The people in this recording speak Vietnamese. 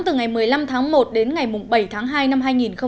từ ngày một mươi năm tháng một đến ngày bảy tháng hai năm hai nghìn một mươi bảy